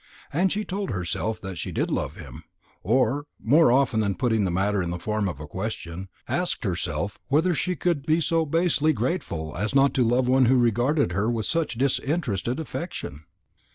And she told herself that she did love him; or, more often putting the matter in the form of a question, asked herself whether she could be so basely ungrateful as not to love one who regarded her with such disinterested affection?